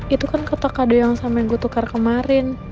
itu kan kata kadu yang sampe gue tukar kemarin